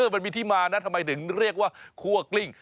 มันมีที่มานะทำไมถึงเรียกว่าคั่วกลิ้ง